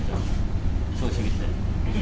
ช่วงชีวิตเดิม